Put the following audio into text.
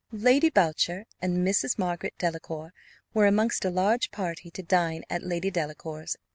Lady Boucher and Mrs. Margaret Delacour were, amongst a large party, to dine at Lady Delacour's.